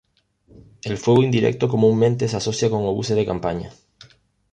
El fuego indirecto comúnmente se asocia con obuses de campaña.